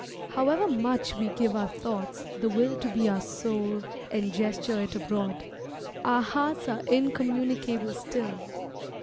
However much we give our thoughts the will To be our soul and gesture it abroad, Our hearts are incommunicable still.